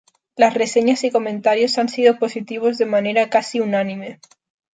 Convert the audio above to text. Las reseñas y comentarios han sido positivos de manera casi unánime.